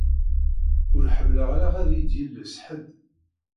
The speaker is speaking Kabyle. Ur ḥemmleɣ ara ad yi-d-yelles ḥedd.